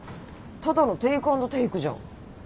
ただのテークアンドテークじゃん。